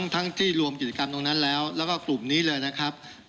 ทั้งที่รวมกิจกรรมตรงนั้นแล้วแล้วก็กลุ่มนี้เลยนะครับ